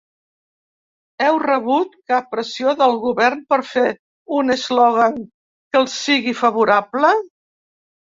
Heu rebut cap pressió del govern per fer un eslògan que els sigui favorable?